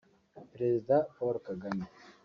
Perezida Paul Kagame